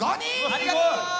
ありがとう！